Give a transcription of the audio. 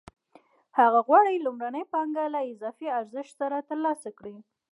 هغه غواړي لومړنۍ پانګه له اضافي ارزښت سره ترلاسه کړي